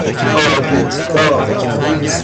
آویسا